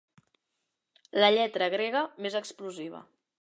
La lletra grega més explosiva.